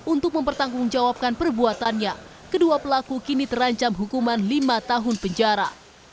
untuk mempertanggungjawabkan perbuatannya kedua pelaku kini terancam hukuman lima tahun penjara